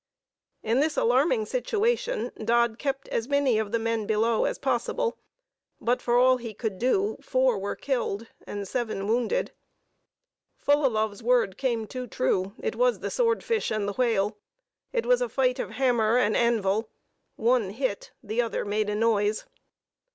In this alarming situation, Dodd kept as many of the men below as possible; but, for all he could do four were killed and seven wounded. Fullalove's word came too true: it was the swordfish and the whale: it was a fight of hammer and anvil; one hit, the other made a noise.